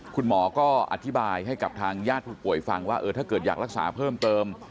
คุณหมอก็อธิบายให้กับทางญาติผู้ป่วยฟังว่าถ้าเกิดอยากรักษาเพิ่มเติม